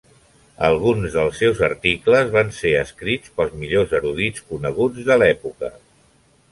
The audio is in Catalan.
Alguns dels seus articles van ser escrits pels millors erudits coneguts de l'època.